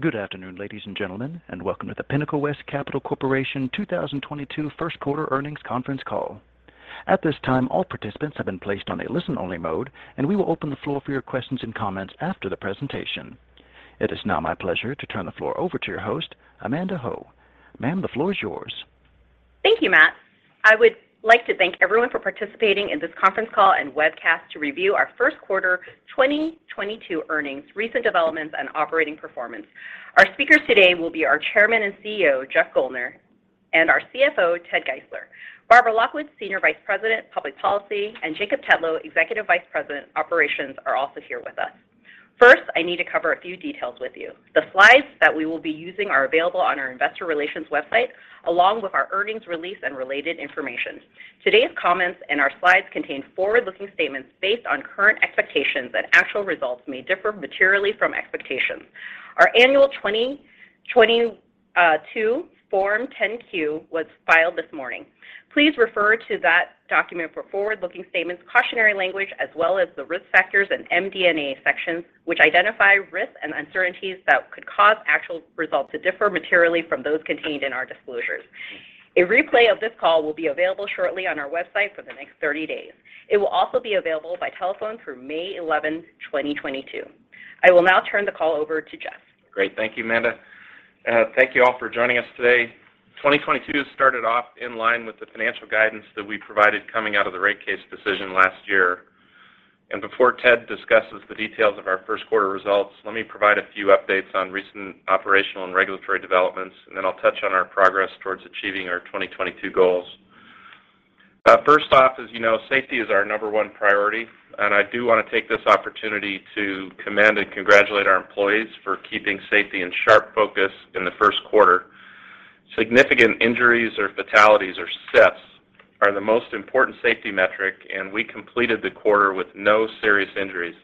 Good afternoon, ladies and gentlemen, and welcome to the Pinnacle West Capital Corporation 2022 Q1 earnings conference call. At this time, all participants have been placed on a listen-only mode, and we will open the floor for your questions and comments after the presentation. It is now my pleasure to turn the floor over to your host, Amanda Ho. Ma'am, the floor is yours. Thank you, Matthew. I would like to thank everyone for participating in this conference call and webcast to review our Q1 2022 earnings, recent developments and operating performance. Our speakers today will be our chairman and CEO, Jeff Guldner, and our CFO, Ted Geisler. Barbara Lockwood, Senior Vice President, Public Policy, and Jacob Tetlow, Executive Vice President, Operations, are also here with us. First, I need to cover a few details with you. The slides that we will be using are available on our investor relations website, along with our earnings release and related information. Today's comments and our slides contain forward-looking statements based on current expectations that actual results may differ materially from expectations. Our annual 2022 Form 10-Q was filed this morning. Please refer to that document for forward-looking statements, cautionary language, as well as the risk factors and MD&A sections, which identify risks and uncertainties that could cause actual results to differ materially from those contained in our disclosures. A replay of this call will be available shortly on our website for the next 30 days. It will also be available by telephone through May 11, 2022. I will now turn the call over to Jeff. Great. Thank you, Amanda. Thank you all for joining us today. 2022 started off in line with the financial guidance that we provided coming out of the rate case decision last year. Before Ted discusses the details of our Q1 results, let me provide a few updates on recent operational and regulatory developments, and then I'll touch on our progress towards achieving our 2022 goals. First off, as you know, safety is our number one priority, and I do want to take this opportunity to commend and congratulate our employees for keeping safety in sharp focus in the Q1. Significant injuries or fatalities or SIFs are the most important safety metric, and we completed the quarter with no serious injuries.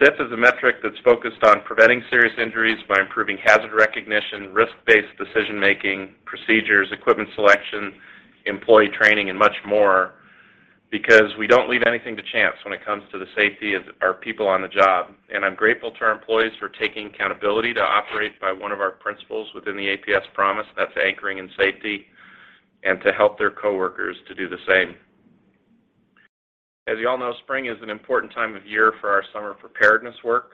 SIF is a metric that's focused on preventing serious injuries by improving hazard recognition, risk-based decision-making, procedures, equipment selection, employee training, and much more because we don't leave anything to chance when it comes to the safety of our people on the job. I'm grateful to our employees for taking accountability to operate by one of our principles within the APS Promise, that's anchoring in safety, and to help their coworkers to do the same. As you all know, spring is an important time of year for our summer preparedness work.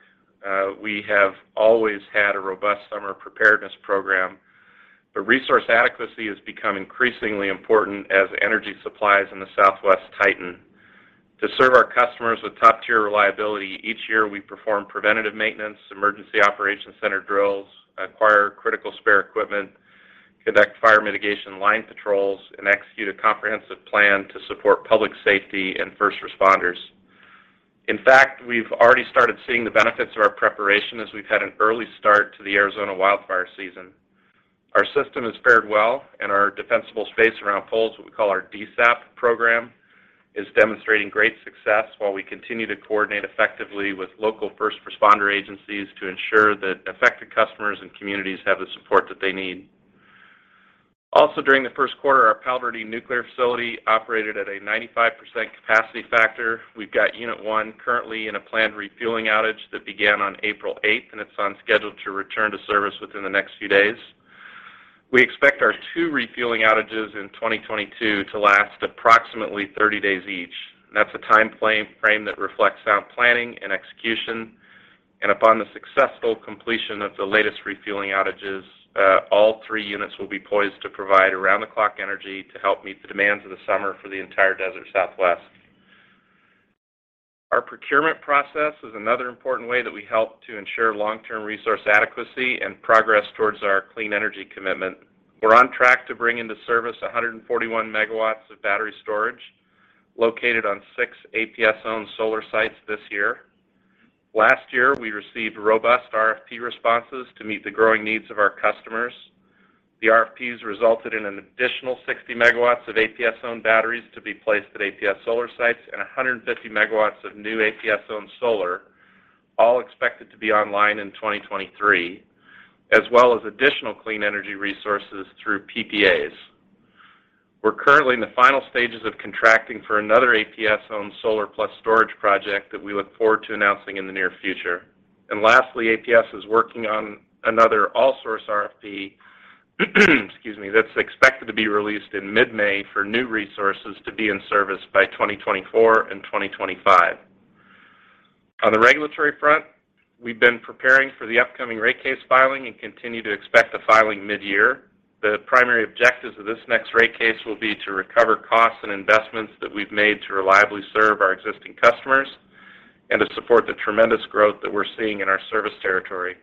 We have always had a robust summer preparedness program, but resource adequacy has become increasingly important as energy supplies in the Southwest tighten. To serve our customers with top-tier reliability, each year we perform preventative maintenance, emergency operations center drills, acquire critical spare equipment, conduct fire mitigation line patrols, and execute a comprehensive plan to support public safety and first responders. In fact, we've already started seeing the benefits of our preparation as we've had an early start to the Arizona wildfire season. Our system has fared well and our defensible space around poles, what we call our DSAP program, is demonstrating great success while we continue to coordinate effectively with local first responder agencies to ensure that affected customers and communities have the support that they need. Also during the Q1, our Palo Verde Nuclear Facility operated at a 95% capacity factor. We've got unit one currently in a planned refueling outage that began on April eighth, and it's on schedule to return to service within the next few days. We expect our two refueling outages in 2022 to last approximately 30 days each. That's a time frame that reflects sound planning and execution. Upon the successful completion of the latest refueling outages, all three units will be poised to provide around-the-clock energy to help meet the demands of the summer for the entire Desert Southwest. Our procurement process is another important way that we help to ensure long-term resource adequacy and progress towards our clean energy commitment. We're on track to bring into service 141 megawatts of battery storage located on six APS-owned solar sites this year. Last year, we received robust RFP responses to meet the growing needs of our customers. The RFPs resulted in an additional 60 megawatts of APS-owned batteries to be placed at APS solar sites and 150 megawatts of new APS-owned solar, all expected to be online in 2023, as well as additional clean energy resources through PPAs. We're currently in the final stages of contracting for another APS-owned solar plus storage project that we look forward to announcing in the near future. Lastly, APS is working on another all-source RFP, excuse me, that's expected to be released in mid-May for new resources to be in service by 2024 and 2025. On the regulatory front, we've been preparing for the upcoming rate case filing and continue to expect the filing mid-year. The primary objectives of this next rate case will be to recover costs and investments that we've made to reliably serve our existing customers and to support the tremendous growth that we're seeing in our service territory.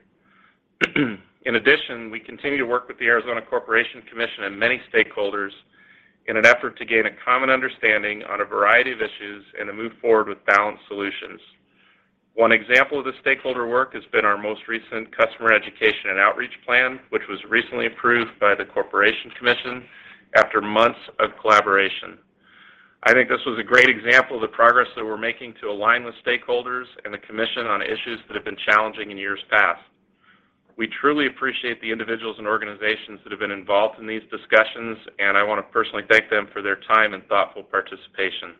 In addition, we continue to work with the Arizona Corporation Commission and many stakeholders in an effort to gain a common understanding on a variety of issues and to move forward with balanced solutions. One example of the stakeholder work has been our most recent customer education and outreach plan, which was recently approved by the Corporation Commission after months of collaboration. I think this was a great example of the progress that we're making to align with stakeholders and the commission on issues that have been challenging in years past. We truly appreciate the individuals and organizations that have been involved in these discussions, and I want to personally thank them for their time and thoughtful participation.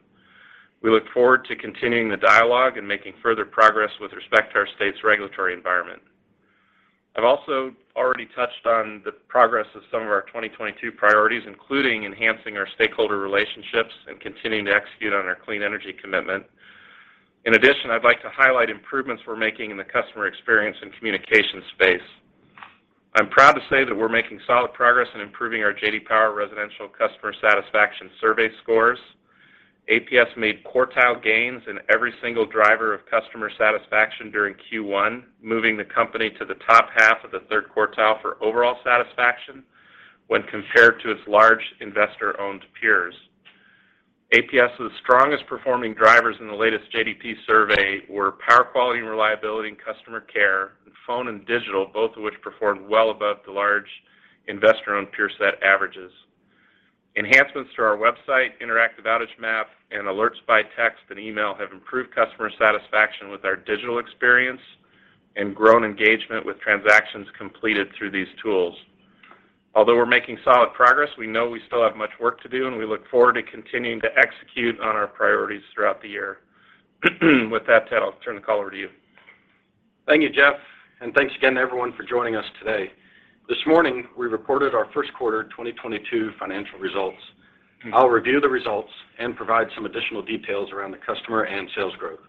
We look forward to continuing the dialogue and making further progress with respect to our state's regulatory environment. I've also already touched on the progress of some of our 2022 priorities, including enhancing our stakeholder relationships and continuing to execute on our clean energy commitment. In addition, I'd like to highlight improvements we're making in the customer experience and communication space. I'm proud to say that we're making solid progress in improving our J.D. Power Residential Customer Satisfaction survey scores. APS made quartile gains in every single driver of customer satisfaction during Q1, moving the company to the top half of the third quartile for overall satisfaction when compared to its large investor-owned peers. APS's strongest performing drivers in the latest J.D. Power survey were power quality and reliability and customer care, and phone and digital, both of which performed well above the large investor-owned peer set averages. Enhancements to our website, interactive outage map, and alerts by text and email have improved customer satisfaction with our digital experience and grown engagement with transactions completed through these tools. Although we're making solid progress, we know we still have much work to do, and we look forward to continuing to execute on our priorities throughout the year. With that, Ted, I'll turn the call over to you. Thank you, Jeff, and thanks again to everyone for joining us today. This morning, we reported our Q1 2022 financial results. I'll review the results and provide some additional details around the customer and sales growth.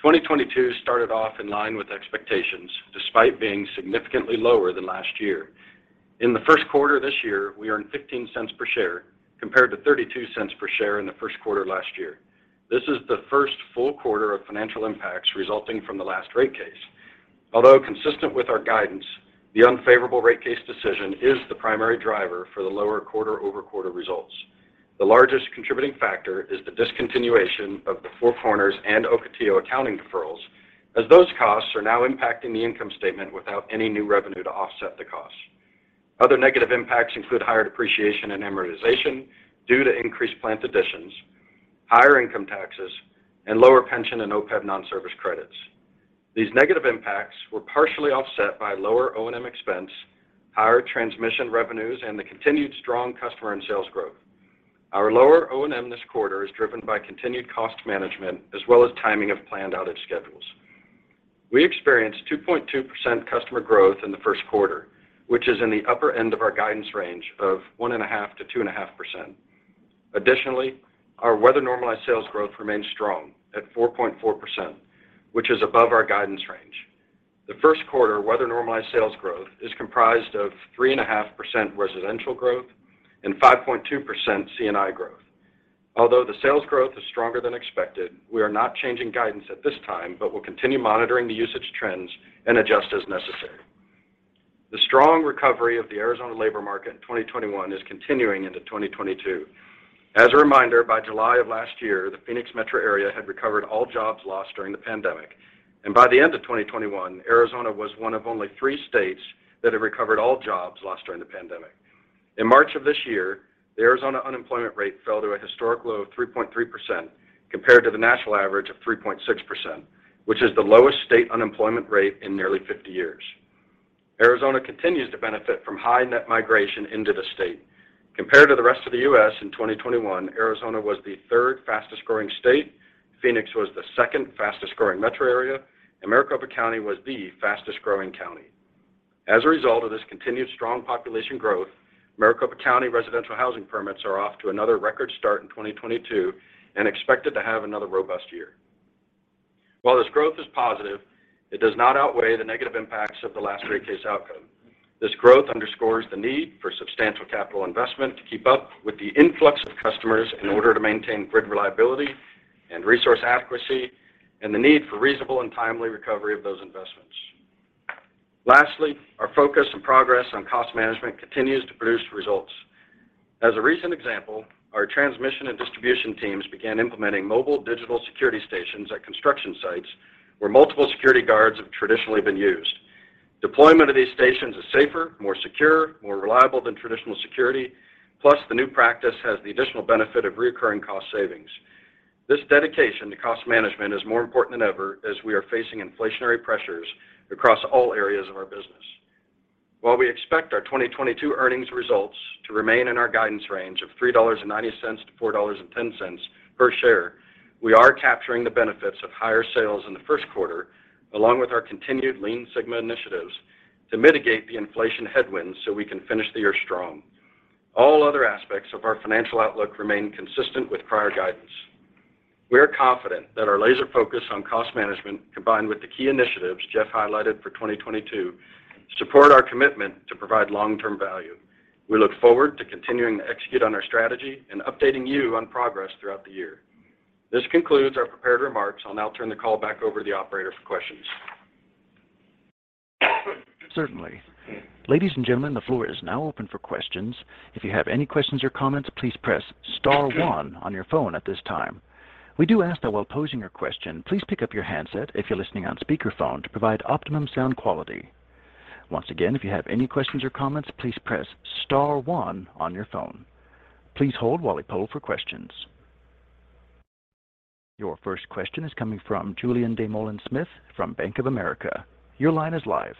2022 started off in line with expectations, despite being significantly lower than last year. In the Q1 this year, we earned $0.15 per share, compared to $0.32 per share in the Q1 last year. This is the first full quarter of financial impacts resulting from the last rate case. Although consistent with our guidance, the unfavorable rate case decision is the primary driver for the lower quarter-over-quarter results. The largest contributing factor is the discontinuation of the Four Corners and Ocotillo accounting deferrals, as those costs are now impacting the income statement without any new revenue to offset the costs. Other negative impacts include higher depreciation and amortization due to increased plant additions, higher income taxes, and lower pension and OPEB non-service credits. These negative impacts were partially offset by lower O&M expense, higher transmission revenues, and the continued strong customer and sales growth. Our lower O&M this quarter is driven by continued cost management, as well as timing of planned outage schedules. We experienced 2.2% customer growth in the Q1, which is in the upper end of our guidance range of 1.5%-2.5%. Additionally, our weather-normalized sales growth remains strong at 4.4%, which is above our guidance range. The Q1 weather-normalized sales growth is comprised of 3.5% residential growth and 5.2% C&I growth. Although the sales growth is stronger than expected, we are not changing guidance at this time, but we'll continue monitoring the usage trends and adjust as necessary. The strong recovery of the Arizona labor market in 2021 is continuing into 2022. As a reminder, by July of last year, the Phoenix metro area had recovered all jobs lost during the pandemic. By the end of 2021, Arizona was one of only three states that had recovered all jobs lost during the pandemic. In March of this year, the Arizona unemployment rate fell to a historic low of 3.3% compared to the national average of 3.6%, which is the lowest state unemployment rate in nearly 50 years. Arizona continues to benefit from high net migration into the state. Compared to the rest of the U.S. in 2021, Arizona was the third fastest-growing state, Phoenix was the second fastest-growing metro area, and Maricopa County was the fastest-growing county. As a result of this continued strong population growth, Maricopa County residential housing permits are off to another record start in 2022 and expected to have another robust year. While this growth is positive, it does not outweigh the negative impacts of the last rate case outcome. This growth underscores the need for substantial capital investment to keep up with the influx of customers in order to maintain grid reliability and resource adequacy and the need for reasonable and timely recovery of those investments. Lastly, our focus and progress on cost management continues to produce results. As a recent example, our transmission and distribution teams began implementing mobile digital security stations at construction sites where multiple security guards have traditionally been used. Deployment of these stations is safer, more secure, more reliable than traditional security, plus the new practice has the additional benefit of recurring cost savings. This dedication to cost management is more important than ever as we are facing inflationary pressures across all areas of our business. While we expect our 2022 earnings results to remain in our guidance range of $3.90-$4.10 per share, we are capturing the benefits of higher sales in the Q1, along with our continued Lean Six Sigma initiatives to mitigate the inflation headwinds so we can finish the year strong. All other aspects of our financial outlook remain consistent with prior guidance. We are confident that our laser focus on cost management, combined with the key initiatives Jeff highlighted for 2022, support our commitment to provide long-term value. We look forward to continuing to execute on our strategy and updating you on progress throughout the year. This concludes our prepared remarks. I'll now turn the call back over to the operator for questions. Certainly. Ladies and gentlemen, the floor is now open for questions. If you have any questions or comments, please press star one on your phone at this time. We do ask that while posing your question, please pick up your handset if you're listening on speakerphone to provide optimum sound quality. Once again, if you have any questions or comments, please press star one on your phone. Please hold while we poll for questions. Your first question is coming from Julien Dumoulin-Smith from Bank of America. Your line is live.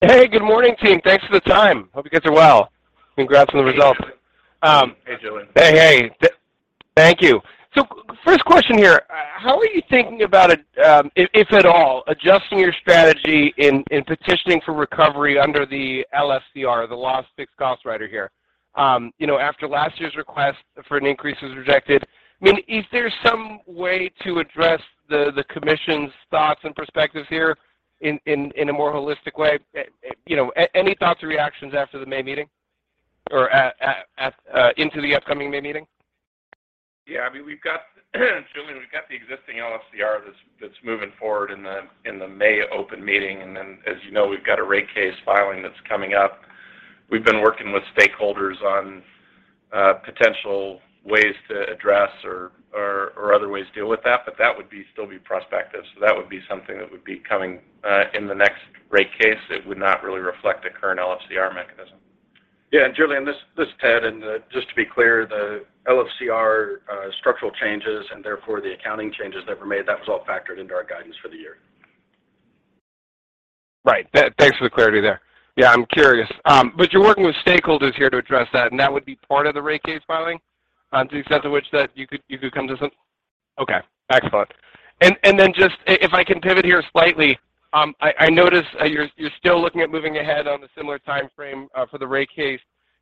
Hey, good morning team. Thanks for the time. Hope you guys are well. Congrats on the results. Hey, Julien. Thank you. First question here. How are you thinking about, if at all, adjusting your strategy in petitioning for recovery under the LFSR, the Lost Fixed Cost Rider here? After last year's request for an increase was rejected. Is there some way to address the Commission's thoughts and perspectives here in a more holistic way? Any thoughts or reactions after the May meeting or at the upcoming May meeting? Yeah. I mean, we've got, Julien, we've got the existing LFSR that's moving forward in the May open meeting. Then as you know, we've got a rate case filing that's coming up. We've been working with stakeholders on potential ways to address or other ways to deal with that, but that would still be prospective. That would be something that would be coming in the next rate case. It would not really reflect the current LFSR mechanism. Yeah. Julien, this is Ted. Just to be clear, the LFSR structural changes and therefore the accounting changes that were made, that was all factored into our guidance for the year. Right. Thanks for the clarity there. Yeah, I'm curious. But you're working with stakeholders here to address that, and that would be part of the rate case filing, to the extent to which that you could come to some. Okay, excellent. Then just if I can pivot here slightly, I notice you're still looking at moving ahead on the similar timeframe for the rate case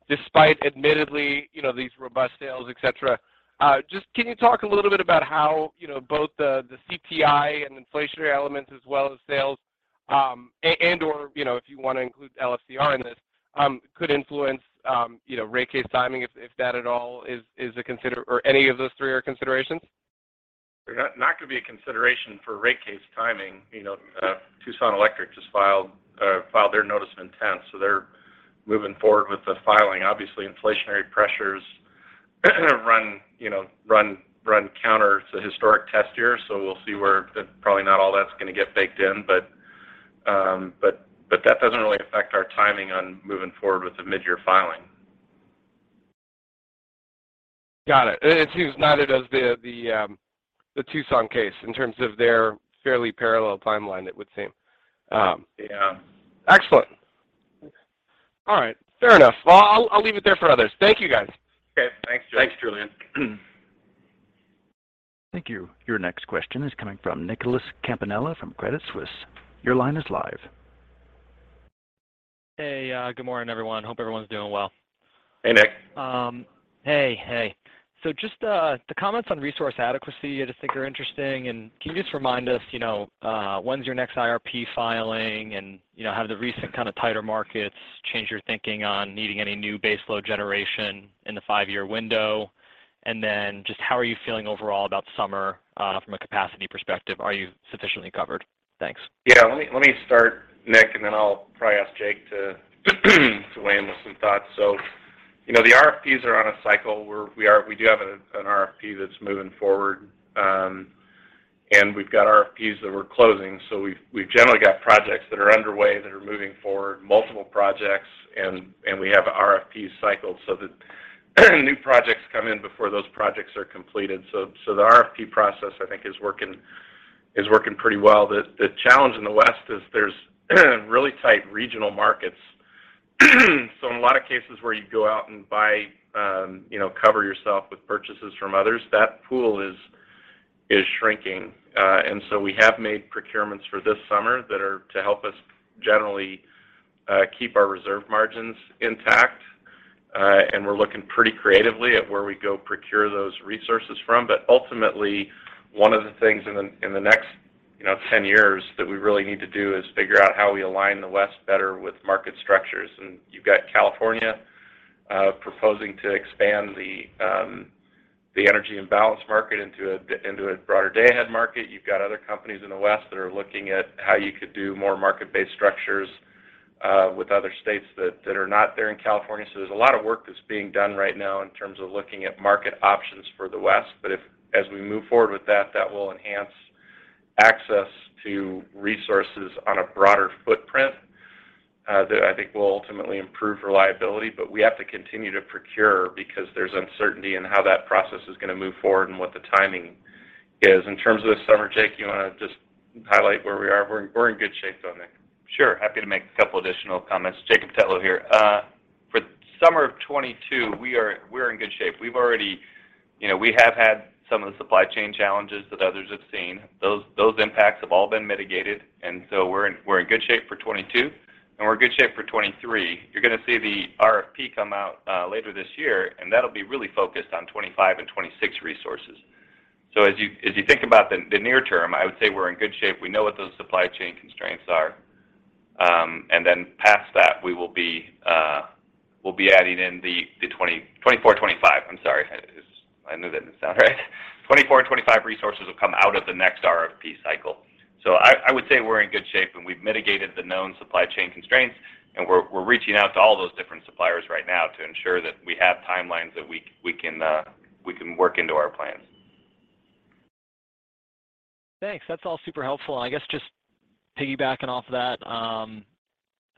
despite admittedly these robust sales, et cetera. Just can you talk a little bit about how both the CPI and inflationary elements as well as sales, and/or if you want to include LFSR in this, could influence rate case timing if that at all is a consideration or any of those three are considerations? They're not gonna be a consideration for rate case timing. You know, Tucson Electric just filed their notice of intent, so they're moving forward with the filing. Obviously, inflationary pressures run counter to historic test year. We'll see. Probably not all that's gonna get baked in, but that doesn't really affect our timing on moving forward with the mid-year filing. Got it. It seems noted as the Tucson case in terms of their fairly parallel timeline, it would seem. Yeah. Excellent. All right. Fair enough. Well, I'll leave it there for others. Thank you, guys. Okay. Thanks, Julien. Thanks, Julien. Thank you. Your next question is coming from Nicholas Campanella from Credit Suisse. Your line is live. Hey. Good morning, everyone. Hope everyone's doing well. Hey, Nick. Just the comments on resource adequacy I just think are interesting. Can you just remind us when's your next IRP filing and have the recent kind of tighter markets changed your thinking on needing any new base load generation in the five-year window? Just how are you feeling overall about summer from a capacity perspective? Are you sufficiently covered? Thanks. Yeah. Let me start, Nick, and then I'll probably ask Jacob to weigh in with some thoughts. You know, the RFPs are on a cycle. We're we are we do have an RFP that's moving forward, and we've got RFPs that we're closing. We've generally got projects that are underway that are moving forward, multiple projects, and we have RFP cycles so that new projects come in before those projects are completed. The RFP process, I think is working pretty well. The challenge in the West is there's really tight regional markets. In a lot of cases where you go out and buy cover yourself with purchases from others, that pool is shrinking. We have made procurements for this summer that are to help us generally keep our reserve margins intact. We're looking pretty creatively at where we go procure those resources from. But ultimately, one of the things in the next 10 years that we really need to do is figure out how we align the West better with market structures. You've got California proposing to expand the energy imbalance market into a broader day-ahead market. You've got other companies in the West that are looking at how you could do more market-based structures with other states that are not there in California. There's a lot of work that's being done right now in terms of looking at market options for the West. If as we move forward with that will enhance access to resources on a broader footprint, that I think will ultimately improve reliability. We have to continue to procure because there's uncertainty in how that process is gonna move forward and what the timing is. In terms of the summer, Jake, you want to just highlight where we are? We're in good shape though, Nick. Sure. Happy to make a couple additional comments. Jacob Tetlow here. For summer of 2022, we're in good shape. We've already had some of the supply chain challenges that others have seen. Those impacts have all been mitigated, and so we're in good shape for 2022, and we're in good shape for 2023. You're gonna see the RFP come out later this year, and that'll be really focused on 2025 and 2026 resources. As you think about the near term, I would say we're in good shape. We know what those supply chain constraints are. And then past that, we'll be adding in the 2024, 2025. I'm sorry. I just I know that didn't sound right. 2024 and 2025 resources will come out of the next RFP cycle. I would say we're in good shape, and we've mitigated the known supply chain constraints, and we're reaching out to all those different suppliers right now to ensure that we have timelines that we can work into our plans. Thanks. That's all super helpful. I guess just piggybacking off that,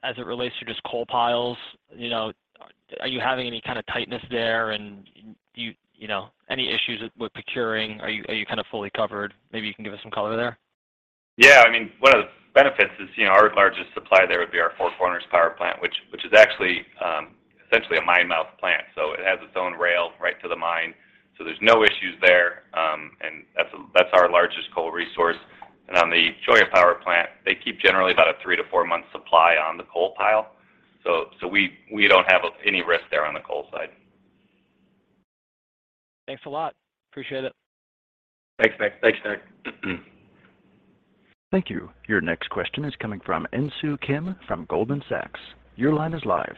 as it relates to just coal piles, you know. Are you having any kind of tightness there? You know, any issues with procuring? Are you kind of fully covered? Maybe you can give us some color there. Yeah. I mean, one of the benefits is our largest supply there would be our Four Corners Power Plant, which is actually essentially a mine-mouth plant, so it has its own rail right to the mine, so there's no issues there. That's our largest coal resource. On the Cholla Power Plant, they keep generally about a 3-4-month supply on the coal pile. We don't have any risk there on the coal side. Thanks a lot. Appreciate it. Thanks, Nick. Thank you. Your next question is coming from Insoo Kim from Goldman Sachs. Your line is live.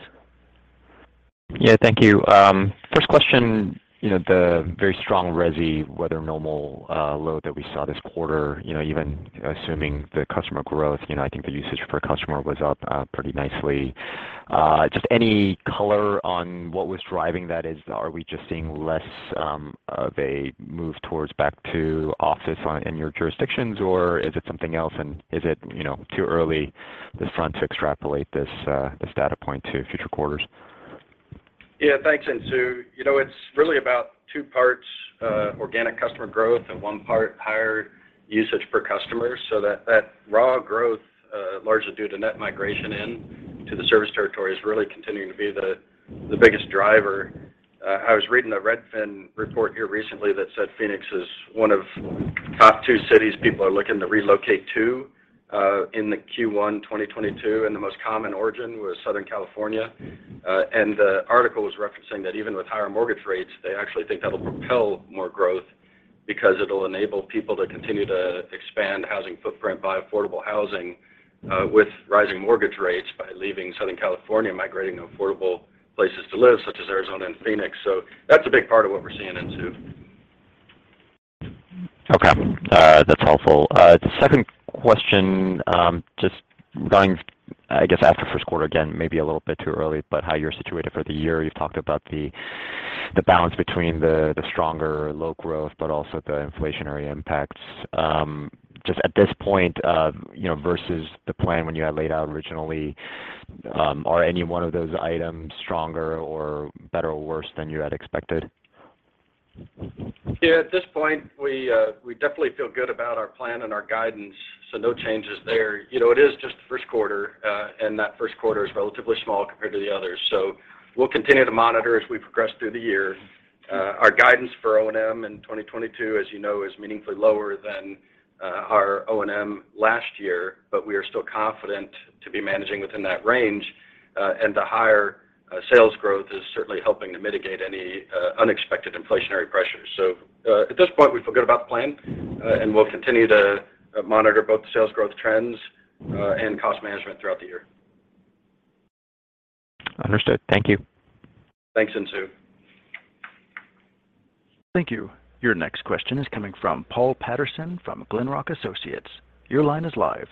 Yeah. Thank you. First question the very strong resi weather normal load that we saw this quarter even assuming the customer growth I think the usage per customer was up pretty nicely. Just any color on what was driving that? Are we just seeing less of a move towards back to office in your jurisdictions, or is it something else? Is it too early on this front to extrapolate this data point to future quarters? Yeah. Thanks, Insoo. You know, it's really about two parts, organic customer growth and one part higher usage per customer. That raw growth, largely due to net migration into the service territory is really continuing to be the biggest driver. I was reading a Redfin report here recently that said Phoenix is one of top two cities people are looking to relocate to, in the Q1 2022, and the most common origin was Southern California. The article was referencing that even with higher mortgage rates, they actually think that'll propel more growth because it'll enable people to continue to expand housing footprint by affordable housing, with rising mortgage rates by leaving Southern California, migrating to affordable places to live, such as Arizona and Phoenix. That's a big part of what we're seeing, Insoo. Okay. That's helpful. The second question, just going—I guess, after Q1, again, maybe a little bit too early, but how you're situated for the year. You've talked about the balance between the stronger load growth, but also the inflationary impacts. Just at this point versus the plan when you had laid out originally, are any one of those items stronger or better or worse than you had expected? Yeah. At this point, we definitely feel good about our plan and our guidance, so no changes there. You know, it is just the Q1, and that Q1 is relatively small compared to the others. We'll continue to monitor as we progress through the year. Our guidance for O&M in 2022, as you know, is meaningfully lower than our O&M last year, but we are still confident to be managing within that range. The higher sales growth is certainly helping to mitigate any unexpected inflationary pressures. At this point, we feel good about the plan, and we'll continue to monitor both the sales growth trends and cost management throughout the year. Understood. Thank you. Thanks, Insoo. Thank you. Your next question is coming from Paul Patterson from Glenrock Associates. Your line is live.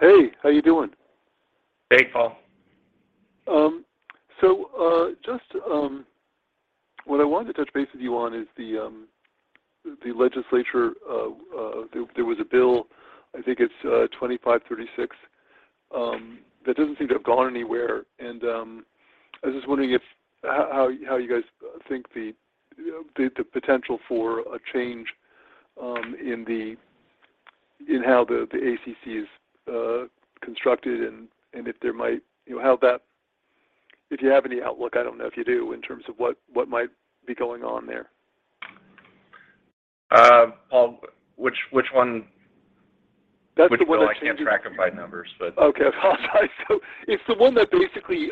Hey, how you doing? Hey, Paul. Just what I wanted to touch base with you on is the legislature. There was a bill, I think it's 2536, that doesn't seem to have gone anywhere. I was just wondering how you guys think the potential for a change in how the ACC is constructed and if there might. You know, how that. If you have any outlook, I don't know if you do, in terms of what might be going on there. Paul, which one? That's the one that changes. Which one? I can't track them by numbers. Okay. Apologize. It's the one that basically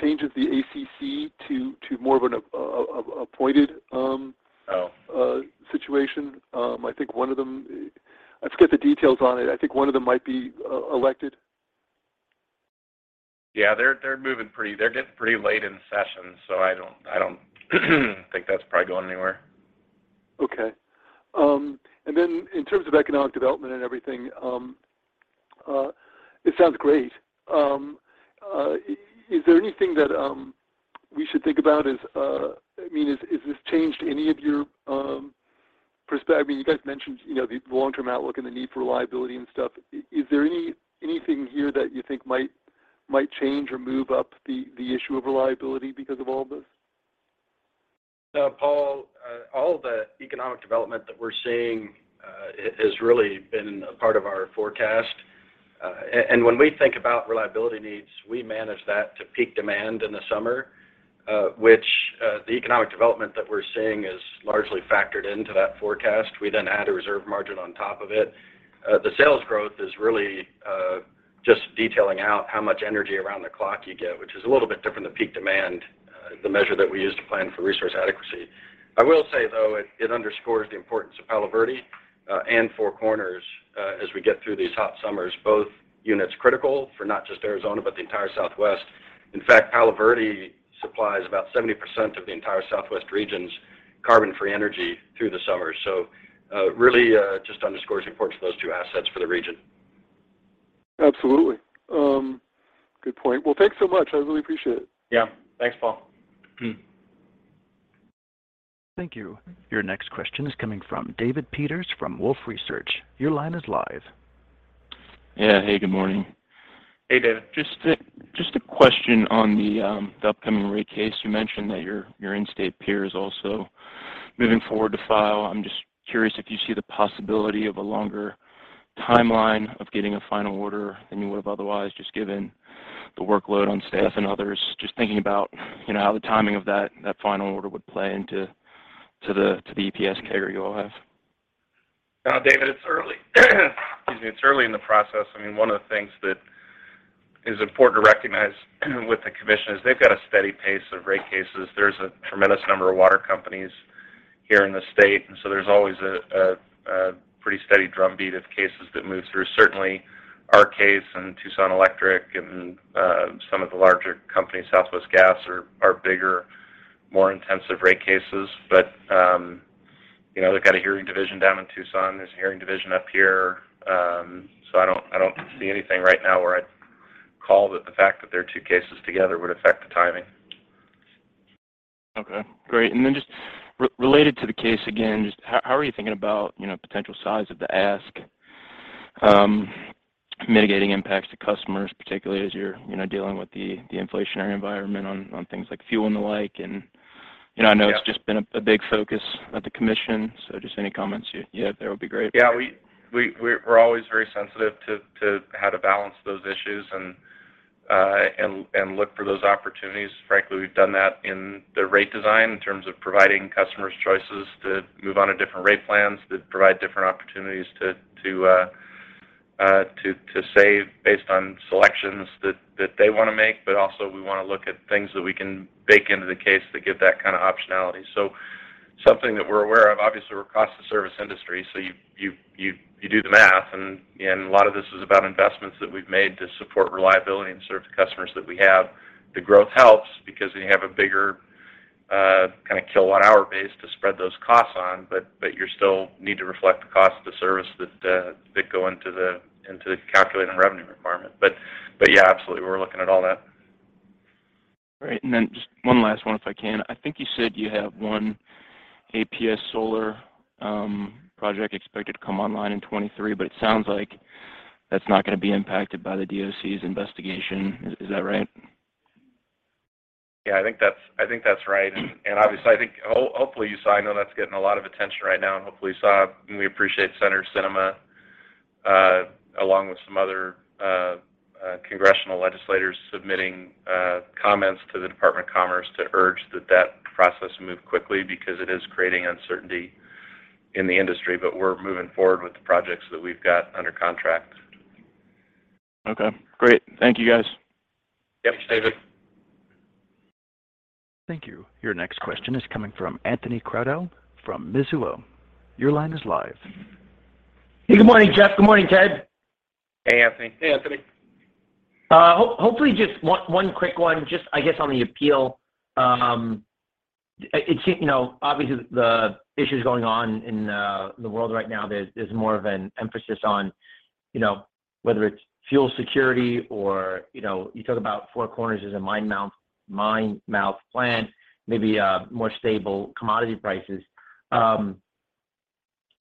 changes the ACC to more of an appointed. Oh situation. I forget the details on it. I think one of them might be elected. Yeah. They're moving pretty. They're getting pretty late in session, so I don't think that's probably going anywhere. Okay. Then in terms of economic development and everything, it sounds great. Is there anything that we should think about? I mean, has this changed any of your, I mean, you guys mentioned the long-term outlook and the need for reliability and stuff. Is there anything here that you think might change or move up the issue of reliability because of all this? No, Paul. All the economic development that we're seeing has really been a part of our forecast. And when we think about reliability needs, we manage that to peak demand in the summer, which the economic development that we're seeing is largely factored into that forecast. We then add a reserve margin on top of it. The sales growth is really just detailing out how much energy around the clock you get, which is a little bit different than peak demand, the measure that we use to plan for resource adequacy. I will say, though, it underscores the importance of Palo Verde and Four Corners as we get through these hot summers, both units critical for not just Arizona, but the entire Southwest. In fact, Palo Verde supplies about 70% of the entire Southwest region's carbon-free energy through the summer. Really, just underscores the importance of those two assets for the region. Absolutely. Good point. Well, thanks so much. I really appreciate it. Yeah. Thanks, Paul. Thank you. Your next question is coming from David Peters from Wolfe Research. Your line is live. Yeah. Hey, good morning. Hey, David. Just a question on the upcoming rate case. You mentioned that your in-state peer is also moving forward to file. I'm just curious if you see the possibility of a longer timeline of getting a final order than you would have otherwise, just given the workload on staff and others. Just thinking about how the timing of that final order would play into the EPS carryover you all have. David, excuse me. It's early in the process. I mean, one of the things that is important to recognize with the commission is they've got a steady pace of rate cases. There's a tremendous number of water companies here in the state, and so there's always a pretty steady drumbeat of cases that move through. Certainly, our case and Tucson Electric Power and some of the larger companies, Southwest Gas, are bigger, more intensive rate cases. You know, they've got a hearing division down in Tucson. There's a hearing division up here. I don't see anything right now where I'd call that the fact that they're two cases together would affect the timing. Okay. Great. Then just related to the case again, just how are you thinking about potential size of the ask, mitigating impacts to customers, particularly as you're, dealing with the inflationary environment on things like fuel and the like? You know, I know. Yeah. It's just been a big focus of the commission, so just any comments you have there would be great. Yeah. We're always very sensitive to how to balance those issues and look for those opportunities. Frankly, we've done that in the rate design in terms of providing customers choices to move on to different rate plans that provide different opportunities to save based on selections that they wanna make. Also we wanna look at things that we can bake into the case that give that kind of optionality. Something that we're aware of. Obviously, we're a cost of service industry, so you do the math, and a lot of this is about investments that we've made to support reliability and serve the customers that we have. The growth helps because then you have a bigger, kind of kilowatt-hour base to spread those costs on, but you still need to reflect the cost of the service that go into the calculated revenue requirement. But yeah, absolutely, we're looking at all that. Great. Just one last one, if I can. I think you said you have one APS solar project expected to come online in 2023, but it sounds like that's not gonna be impacted by the DOC's investigation. Is that right? Yeah, I think that's right. Obviously, I think hopefully you saw. I know that's getting a lot of attention right now, and hopefully you saw. We appreciate Senator Sinema along with some other congressional legislators submitting comments to the Department of Commerce to urge that process move quickly because it is creating uncertainty in the industry. We're moving forward with the projects that we've got under contract. Okay, great. Thank you, guys. Yep. Thanks, David. Thank you. Your next question is coming from Anthony Crowdell from Mizuho. Your line is live. Hey, good morning, Jeff. Good morning, Ted. Hey, Anthony. Hey, Anthony. Hopefully just one quick one, just I guess on the appeal. You know, obviously the issues going on in the world right now, there's more of an emphasis on whether it's fuel security or you talk about Four Corners as a mine-mouth plant, maybe more stable commodity prices.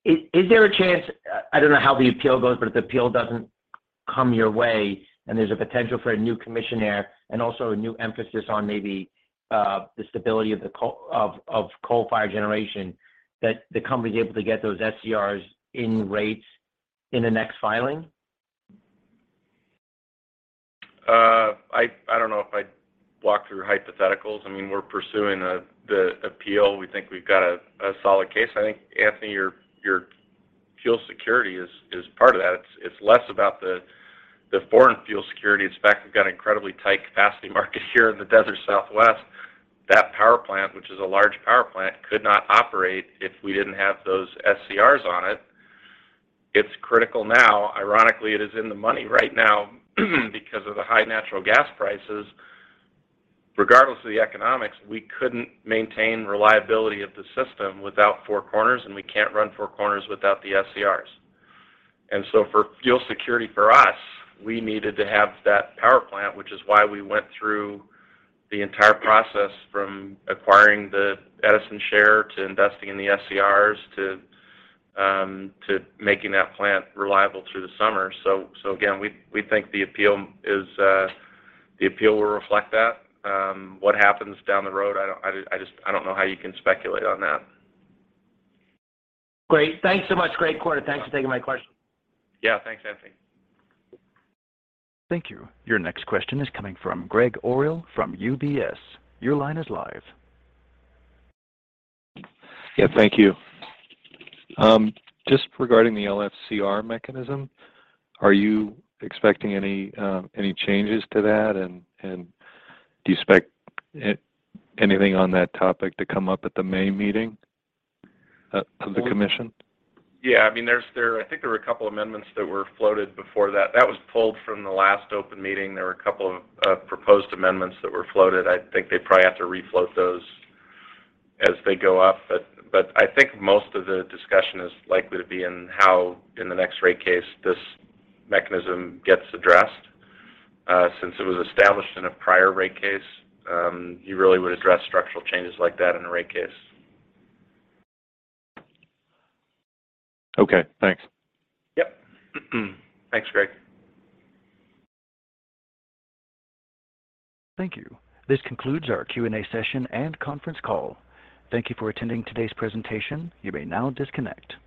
Is there a chance, I don't know how the appeal goes, but if the appeal doesn't come your way and there's a potential for a new commissioner and also a new emphasis on maybe the stability of the coal-fired generation, that the company's able to get those SCRs in rates in the next filing? I don't know if I'd walk through hypotheticals. I mean, we're pursuing the appeal. We think we've got a solid case. I think, Anthony, your fuel security is part of that. It's less about the foreign fuel security. In fact, we've got an incredibly tight capacity market here in the Desert Southwest. That power plant, which is a large power plant, could not operate if we didn't have those SCRs on it. It's critical now. Ironically, it is in the money right now because of the high natural gas prices. Regardless of the economics, we couldn't maintain reliability of the system without Four Corners, and we can't run Four Corners without the SCRs. For fuel security for us, we needed to have that power plant, which is why we went through the entire process from acquiring the Edison share, to investing in the SCRs, to making that plant reliable through the summer. So again, we think the appeal is the appeal will reflect that. What happens down the road, I just don't know how you can speculate on that. Great. Thanks so much. Great quarter. Thanks for taking my question. Yeah. Thanks, Anthony. Thank you. Your next question is coming from Gregg Orrill from UBS. Your line is live. Yeah. Thank you. Just regarding the LFSR mechanism, are you expecting any changes to that, and do you expect anything on that topic to come up at the May meeting of the commission? Yeah. I mean, there's—I think there were a couple amendments that were floated before that. That was pulled from the last open meeting. There were a couple of proposed amendments that were floated. I think they probably have to refloat those as they go up. I think most of the discussion is likely to be in how, in the next rate case this mechanism gets addressed. Since it was established in a prior rate case, you really would address structural changes like that in a rate case. Okay, thanks. Yep. Thanks, Gregg. Thank you. This concludes our Q&A session and conference call. Thank you for attending today's presentation. You may now disconnect.